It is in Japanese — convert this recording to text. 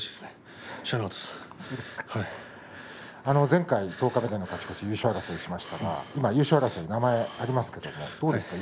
前回十日目での勝ち越し優勝争いをしましたが今、優勝争いに名前がありますけれどもどうですか？